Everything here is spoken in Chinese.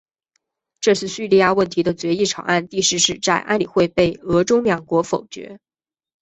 这是叙利亚问题的决议草案第四次在安理会被俄中两国否决。